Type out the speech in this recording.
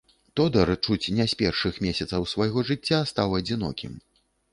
Тодар чуць не з першых месяцаў свайго жыцця стаў адзінокім.